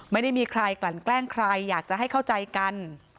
ไม่ได้มีใครกลั่นแกล้งใครอยากจะให้เข้าใจกัน